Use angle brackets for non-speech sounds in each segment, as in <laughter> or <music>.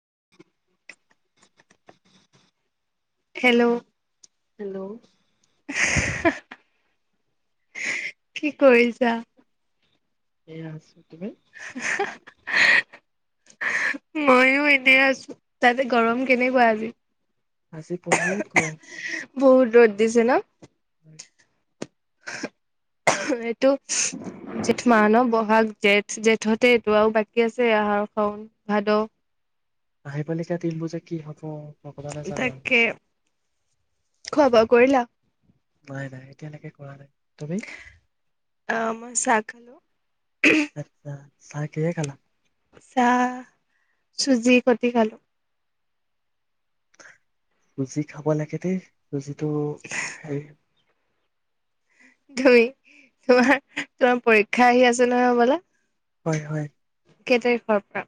<unintelligible> Hello ' hello. কি কৰিছা। এ আছে। <inaudible> ময়ো এনে আছো তাতে গৰম কেনেকুৱা আজি। আজি গৰম বহুত ৰ'দ দিছে ন। <inaudible> টো জেঠ মাহ ন বহাগ। জেঠ জেঠতে টো আৰু বাকী আছে আহাৰ, শাওন, ভাদ। আহি পালি যে তিল বজা কি ভগৱানে জানে আৰু তাকে খোৱা কৰিলা। নাই, নাই এতিয়ালৈকে কৰা নাই। তুমি অ', মই চাহ খালো। আচ্ছা চাহ কিহে খালা? চাহ, চুজি সতি খালো। চুজি খাব লাগে দে চুজিটো হেৰি ধুই তোমাৰ, তোমাৰ পৰীক্ষা আহি আছে নহয় হ'বলা? হয়, হয়। কেতাৰিখৰ পৰা?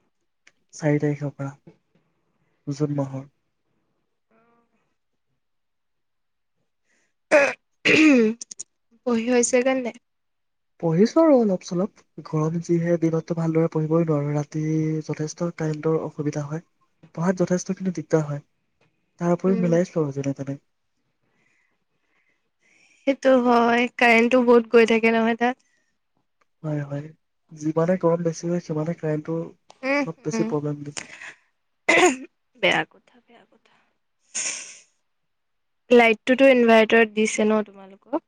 চাৰি তাৰিখৰ পৰা জুন মাহৰ। পঢ়ি হৈছে গৈ নে নাই? পঢ়িছো আৰু অলপ চলপ ঘৰম যিহে দিনততো ভালদৰে পঢ়িবই নোৱাৰো ৰাতি যথেষ্ট তাইলটৰ অসুবিধা হয়, পঢ়াত যথেষ্টখিনি দিগদাৰ হয়। তাৰ উপৰি উম মিলাইছো যেনে তেনে। টো হয়, কাৰেণ্টটো বহুত গৈ থাকে নহয় তাত। হয়, হয় যিমানে গৰম বেছি সিমানে কাৰেণ্ট উ, হম, বেয়া কথা বেয়া কথা। লাইটটোতো ইনভাৰ্টাৰত দিছে ন তোমালোকক?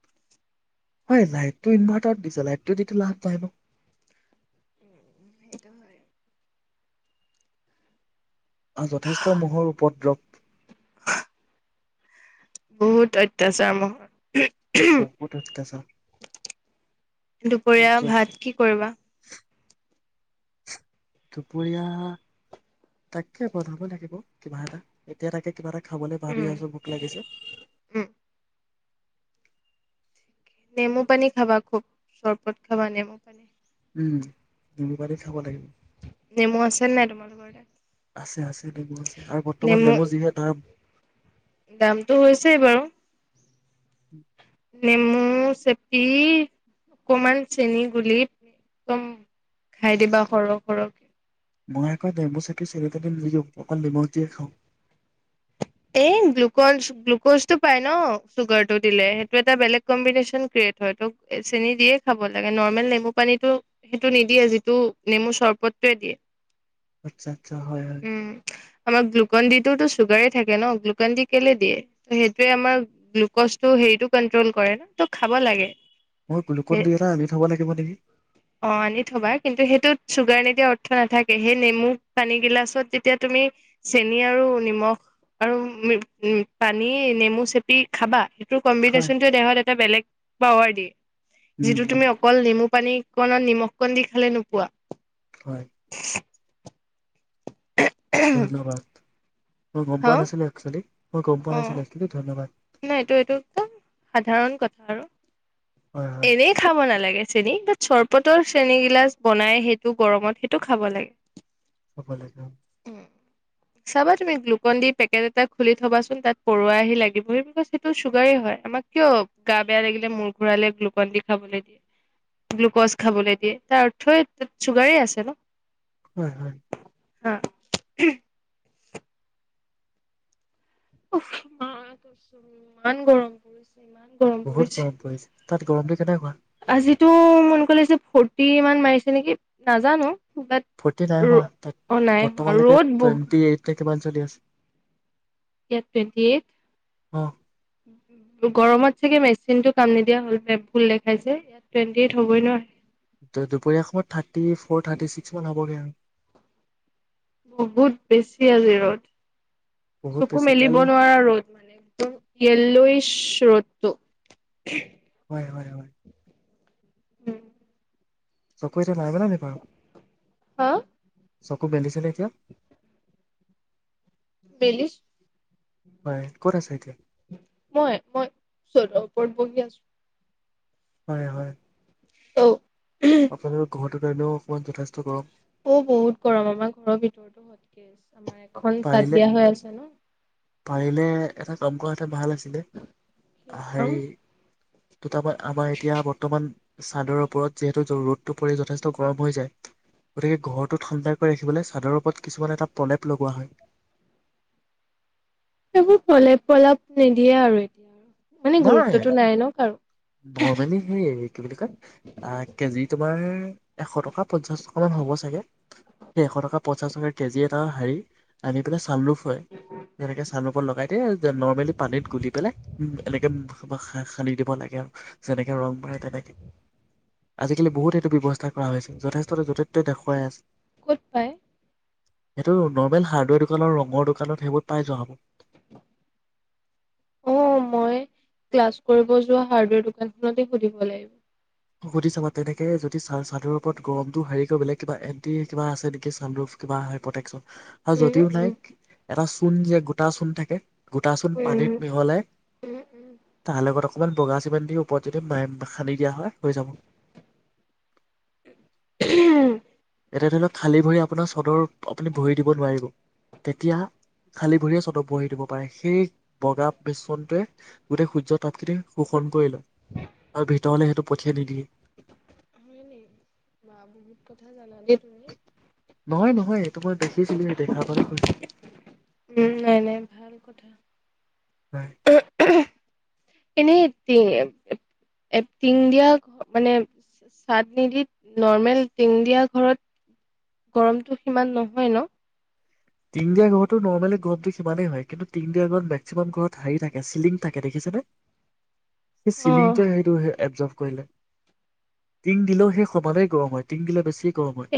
হয়, লাইটটো ইনভাৰ্টাৰত দিছে লাইটটো দিটো লাভ নাই ন? এইটো হয়। যথেষ্ট মহৰ উপদ্ৰৱ। <inaudible> বহুত অত্যাচাৰ মহৰ। বহুত অত্যাচাৰ দুপৰীয়াৰ জ- ভাত কি কৰিবা? দুপৰীয়া তাকে বনাব লাগিব কিবা এটা এতিয়া কিবা এটা খাবলৈ ভাবি উম আছো ভোক লাগিছে। উম নেমু পানী খাবা খুব চৰবত খাবা নেমু। পানী উম নেমু পানী খাব লাগিব নেমু আছে নাই তোমালোকৰ তাত আছে, আছে নেমু আছে আৰু বৰ্তমান নেমু যিহে তাৰ দাম। দামটো হৈছেই বাৰু উম নেমু চেপি অকণমান চেনী গুলী <unintelligible> খাই দিবা সৰক, সৰহ মই আকৌ নেমু চেপি চেনী তেল নিদিও, অকল নিমখ দিয়ে খাওঁ। এই গ্লুকজ গ্লুকজটো পাই ন চুগাৰটো দিলে। সেইটো এটা বেলেগ কম্বিনেশ্যন ক্ৰিয়েট হয়, ত চেনি দিয়ে খাব লাগে নৰ্মেল নেমু পানীটো সেইটো নিদিয়ে যিটো নেমু চৰ্বতটোৱে দিয়ে। আচ্ছা, আচ্ছা হয়, হয়। উম আমাৰ গ্লুকনডিটো চুগাৰে থাকে ন গ্লুকন দি কেলে দিয়ে ত সেইটোৱে আমাৰ গ্লুকজটো হেৰিতটো কনট্ৰল কৰে ন ত খাব লাগে। মই গ্লুকন দি এটা আনি থব লাগিব নেকি অ আনি থবা কিন্তু সেইটোত চুগাৰ নি <unintelligible> অৰ্থ নাথাকে সেই নেমু পানী গিলাচত তেতিয়া তুমি চেনি আৰু নিমখ। আৰু উ উ পানী নেমু চেপি খাবা। ত হয় কম্পিটিচনটো দেহত এটা বেলেগ বা <unintelligible> ৱাৰ <unintelligible> উম যিটো উম তুমি অকল নেমু পানী কণত নিমখ কণ দি খালে নোপোৱা। হয় ধন্যবাদ। মই গম হা পোৱা নাছিলো একচেলি মই গম পোৱা অ নাইছিলো দেই ধন্যবাদ। নাই এইটো এইটো একদম সাধাৰণ কথা আৰু হয় হয় এনেই খাব নালাগে চেনী <unintelligible> চৰবতৰ চেনী গিলাচ বনাই সেইটো গৰমত সেইটো খাব লাগে সফাল য উম চাবা তুমি গ্লুকন দি পেকেট এটা খুলি থবাচোন তাত পৰুৱা আহি লাগিবহি। সেইটো চুগাৰেই হয় আমাক কিয় গা বেয়া লাগিলে মূৰ ঘুৰালেে গ্লুকন দি খাবলৈ দিয়ে গ্লুকজ খাবলৈ দিয়ে তাৰ অৰ্থই চুগাৰেই আছে ন হয়, হয় হা ইমান গৰম পৰিছে ইমান গৰম বহুত পৰিছে গৰম পৰিছে তাত গৰমটো কেনেকুৱা তটো মন কলেছে ফূৰ্তি মান মাৰিছে নেকি নাজানো বাট ফৰ্টি নাই হোৱা অ নাই হোৱা বৰ্তমানে লৈকে ৰ'দ বহুত টোৱেনটি এইট কিমান চলি আছে। ইয়াত টুৱেটি এ অ গৰমত চাগে মেচিন টো কাম নিদিয়া হল ভুল দেখাইছে টুৱেণ্টি এইট হ'বই নো ত দুপৰীয়া সময়ত থাৰ্টি ফ'ৰ থাৰ্টি ছিক্স মান হ'বগে আৰু বহুত বেছি আজি ৰ'দ বহুত চুকু বেছি মেলিব কালি নোৱাৰা ৰ'দ এল্লয়েছ ৰ'দ টো হয় হয় হয় উম চকু এতিয়া ভাল পালেনে বাৰু হা চকু মেলিছেনে এতিয়া বেলিছ বাই ক'ত আছে এতিয়া মই মই চদৰ বহি আছো হয় হয় অ সেইটো কাৰণেও অকণমান যথেষ্ট গৰম অ বহুত গৰম আমাৰ ঘৰৰ ভিতৰত হতকেছ। আমাৰ এখন চাদ পাৰিলে দিয়া হৈ আছে ন পাৰিলে এটা কম কৰা ভাল আছিলে সেই কাম হেৰি ত তাৰ আমাৰ এতিয়া বৰ্তমান চাদৰ ওপৰত যিহেতু ৰ'দটো পৰে যথেষ্ট গৰম হৈ যায় গতিকে ঘৰটো ঠাণ্ডাকৈ ৰাখিবলৈ চাদৰ ওপৰত কিছুমান এটা প্ৰলেপ লগোৱা হয় সেইবোৰ প্ৰলেপ প্ৰলপ নিদিয়ে আৰু এতিয়া মানে গুৰুত্বটো নাই ন কাৰো নৰ্মেলি সেই কি বিলি কয় <unintelligible> আহ কেজিটো তোমাৰ এশ টকা পঞ্চাশ টকা মান হ'ব চাগে সেই এশ টকা পঞ্চাশ টকাৰ কেজি এটা হেৰি আনি পেলাই চাম ন হয়, যেনেকে চানু লগাই দিয়ে যে নৰ্মেলি পানীত গুলি পেলাই এনেকে সা সানি দিব লাগে আৰু যেনেকে ৰং মাৰে তেনেকে আজিকালি বহুত এইটো ব্যৱস্থা কৰা হৈছিল যথেষ্ট যতে ততে দেখুৱাই আছে ক'ত পায় সেইটো নৰ্মেল হাৰ্ডৱেৰ দোকানৰ ৰঙৰ দোকানত সেইবোৰ পাই যোৱা হ'ব অ মই ক্লাছ কৰিব যোৱা হাৰ্ডৱেৰ দোকানখনতে সুধিব লাগিব সুধি ছাবা তেনেকে যদি চা চাদৰ ওপৰত গৰমটো হেৰিকৈ বেলেগ কিবা এণ্টি কিবা আছে নেকি ছানৰুফ কিবা হয় প্ৰটেকশ্যন আ উম যদিও নাইক উম এটা চূণ যে গোটা চূণ থাকে গোটা চুন পানীত মিহলাই উম উম উম তাৰ লগত অকমান বগা চিমেণ্ট দি ওপৰত যদি পা খানদি দিয়া হয় হৈ যাব ই হম এতিয়া ধৰি লওক খালী ভৰি আপোনাৰ চাদৰ আপুনি ভৰি দিব নোৱাৰিব তেতিয়া খালী ভৰিয়ে চাদৰ ভৰি দিব পাৰে সেই বগা বেচনটোৱে গোটেই সূৰ্য তাপখিনি শোষণ কৰি লয় আৰু ভিতৰলে সেইটোক খেদি দিয়ে। হয় নে বা বহুত কথা জানা। দেই তুমি নহয় নহ হয় এইটো মই দেখিছিলোঁ এ দেখা বাবে কৈছোঁ। উম, নাই নাই ভাল কথা। হয়। এনেই টিং এ টিং দিয়া ঘ- মানে চা-চাদ নিদি নৰ্মেল টিং দিয়া ঘৰত গৰমটো সিমান নহয় ন টিন দিয়া ঘৰতো নৰ্মেলি গৰমটো সিমানেই হয়। কিন্তু টিন দিয়া ঘৰত মেক্সিমাম ঘৰত হাৰি থাকে চিলিং থাকে দেখিছানে? এই চিলিংটো সেইটো এভজভ কৰিলে টিন দিলেও সেই সমানেই গৰম হয়, টিন দিলে বেছি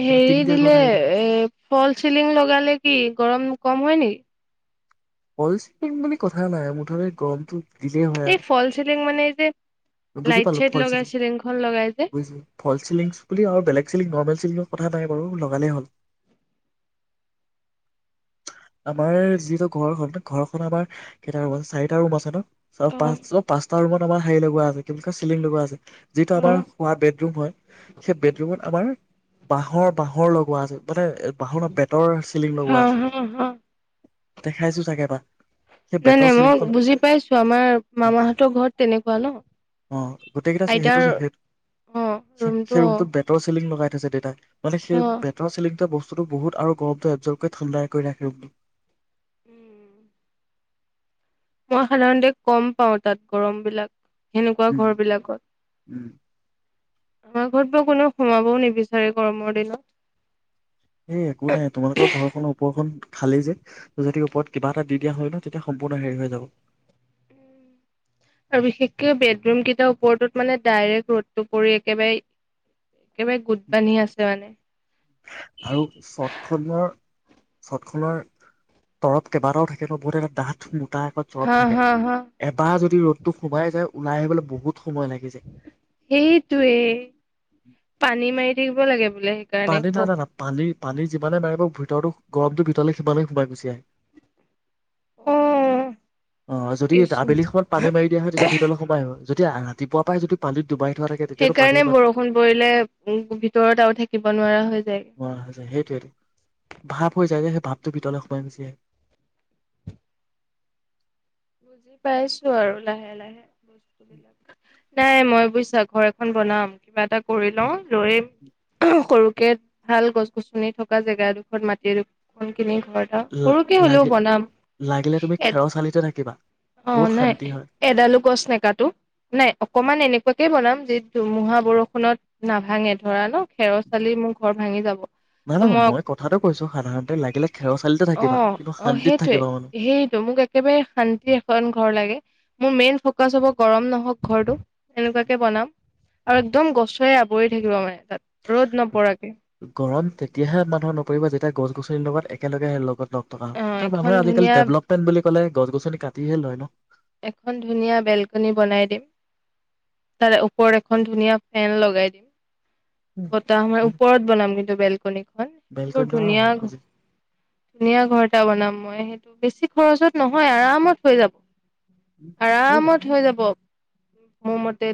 হেৰি দিলে এ ফল চিলিং লগালে কি গৰম কম হয় নেকি? ফল চিলিং বুলি কথা নাই মুঠতে গৰমটো দিলেই হয় এই ফল চিলিং মানে এ বুজি পালোঁ। ফল চিলিং যে বুলি ফল চিলিংচ বুলি আৰু বেলেগ চিলিং নৰ্মেলচ চিলিংৰ কথা নাই বাৰু লগালেই হ'ল। আমাৰ যিহেতু ঘৰখন ঘৰখন আমাৰ কেইটা ৰুম আছে চাৰিটা ৰুম আছে ন? চোৱা পাঁচশপাঁচটা ৰুমত আমাৰ হেৰি লগোৱা আছে কি বুলি কয় চিলিং লগোৱা আছে। যিটো আমাৰ খোৱা বেডৰুম হয়। সেই বেডৰুমত আমাৰ বাঁহৰ বাঁহৰ লগোৱা আছে মানে বাহঁৰ নহয় বেতৰ চিলিং হা লগোৱা আছে। হা হা দেখাইছোঁ চাগে এবাৰ সেই নাই নাই বেতৰ মই চিলিংখন বুজি পাইছো আমাৰ অ মামাহঁতৰ ঘৰত তেনেকুৱা ন অ গোটেইকেইটা চি- সেইটো আইতাৰ চি- সেই অ ৰুমটো অ' এজ এ ডেতা মানে সেই বেতৰ চিলিং টোৱে বস্ত বস্তুটো বহু আৰু গৰমটো এবজৰ্বকৈ ঠাণ্ডা এ কৰি ৰাখে। তেওঁ উম! মই সাধাৰণতে কম পাওঁ তাত গৰম বিলাক। সেনেকুৱা উম ঘৰৰ বিলাকত। উম আমাৰ ঘৰত বাৰু কোনেও সোমাবও নিবিচাৰে গৰমৰ দিনত এই একো নাই তোমালোকৰ ঘৰখনৰ ওপৰখন খালি যে যদি ওপৰত কিবা এটা দি দিয়া হয় ন তেতিয়া সম্পূৰ্ণ হেৰি হৈ যাব। আৰু বিশেষকে বেডৰুম কেইটাৰ ওপৰটোত মানে ডাইৰেক্ট ৰ'দটো পৰি একেবাৰে একেবাৰে গোট বান্ধি আছে মানে আৰু চতখনৰ চত খনৰ তৰৱ কেইবাটাও থাকে ম বহুত এটা ডাঠম এটাত হা চৰপ থাকে হা হা এবাৰ যদি ৰ'দতটো সোমাই যায় ওলাই আহিবলৈ বহুত সময় লাগি যায় সেইটোৱেই পানী মাৰি থাকিব লাগে বোলে সেইকাৰণে পানী খুব দাদা ন পানী পানী যিমানে মাৰিব ভিতৰতো গৰমটো ভিতৰলৈ সিমানেই সোমাই গুচি আহে অ অ যদি কৃষ্ণ আবেলি সময়ত পানী মাৰি দিয়া হয় তেতিয়া ভিতৰলৈ সোমাই হয় যদি ৰাতিপুৱা পাই যদি পানীত ডুবাই থোৱা থাকে তেতিয়াতো পানী সেইকাৰণে ইমান বৰষুণ পৰিলে উ ভিতৰত আ থাক থাকিব নোৱাৰা হৈ যায়গৈ সেইটোৱেই ভাৱ হৈ যায় যে সেই ভাৱটো ভিতলে সোমাই গুচি আহে। বুজি পাইছো আৰু লাহে লাহে। বস্তুবিলাক নাই মই বুজিছা ঘৰ এখন বনাম কিবা এটা কৰি লওঁ লৈম সৰুকে ভাল গছ গছনি থকা জেগাডোখ মাটি দু লাগি লাগিলে তুমি এ খেৰৰ চালিতে থাকিবা অ বহুত নাই শান্তি হয়। এডালো গছ নকাটো নাই অকমান এনেকুৱাকে বনাম যি ধুমুহা বৰষুণত নাভাঙে ধৰা ন খেৰৰ চালি মোৰ ঘৰ ভাঙি যাব। নাই নান মই কথাটো কৈছো সাধাৰণতে লাগিলে খেৰ চালিতে থাকিবা অ', কিন্তু অ', শান্তিত থাকিবা মানুহ। মোকো এখন ঘৰ লাগে, মোৰ মেইন ফকাচ হব গৰম নহক ঘৰটো এনেকুৱাকে বনাম আৰু একদম গছৰে আৱৰি থাকিব মানে। তাত ৰ'দ নপৰাকে। গৰম তেতিয়াহে মানুহে নপৰিব যেতিয়া গছ গুচৰি লগত একেলগে লগত দকটকা অ', এটা এখন মানুহে আজিকাল ধুনীয়া ডেভেলপমেট বুলি ফালে গছ গছনি কাটিহে লয় ন এখন ধুনীয়া বেলকনী বনাই দিম তাৰে ওপৰত এখন ধুনীয়া ফেন লগাই দিম। বতাহ মই ওপৰত বনাম কিন্তু বেলকনীখন বৰ বেলকনিত ধুনীয়া অ' বুজি ধুনীয়া ঘৰ এটা বনাম মই সেইটো বেছি খৰচত নহয় আৰামত হৈ যাব আৰামত হৈ যাব মোৰ মতে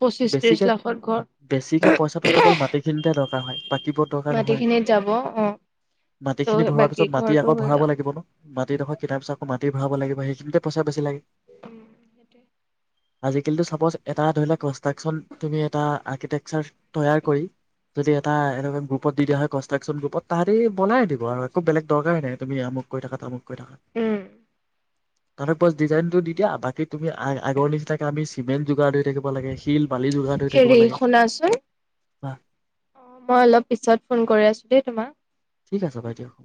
পঁচিশ ত্ৰিশ বেছিকে লাখত ঘৰ। বেছিকে পইচাটো কেৱল মাটিখিনিতে দৰকাৰ হয় বাকীবোৰত দৰকাৰ নহয় মাটিখিনিত যাব অ ত' মাটিখিনি ভৰাৰ বাকী পিছত মাটি ঘৰটো আকৌ হৈ ভৰাব যাব লাগিব ন মাটিডোখৰ কটাৰ পিছত আকৌ মাটি ভৰাব লাগিব সেইখিনিতেই পইচা বেছি লাগে। উম সেইটোই। আজিকালিটো চাপজ এটা ধৰি লক কষ্ট কনষ্ট্ৰাক্যন তুমি এটা আৰ্কিটেকচাৰ তৈয়াৰ কৰি যদি এনেকুৱা গ্ৰুপত দি দিয়া হয় কনষ্ট্ৰাকশন গ্ৰুপত তাহাতি বনাই দিব আৰু একো বেলেগ দৰকাৰ হয় নাই তুমি আমুক কৈ থাকা তামুক কৈ থাকাঁ। উম। তাৰেপাছ ডিজাইনতটো দি দিয়া বাকী তুমি আগৰ নিচিনাকে আমি চিমেণ্ট যোগাৰ দি কৰিব লাগে শিল বালি যোগাৰ হৈ থাকিব হেৰি লাগে। শুনাচোন হ অ' মই অলপ পিছত ফোন কৰি আছোঁ দেই তোমাক। ঠিক আছে বাৰু দিয়ক